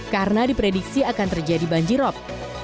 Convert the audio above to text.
karena diprediksi akan terjadi banjirop